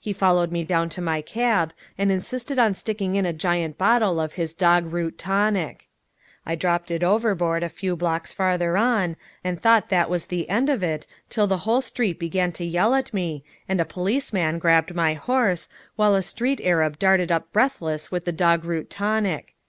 He followed me down to my cab and insisted on sticking in a giant bottle of his Dog Root Tonic. I dropped it overboard a few blocks farther on, and thought that was the end of it till the whole street began to yell at me, and a policeman grabbed my horse, while a street arab darted up breathless with the Dog Root Tonic.